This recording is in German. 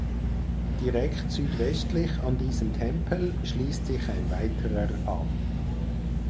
Direkt südwestlich an diesen Tempel schließt sich ein weiterer an.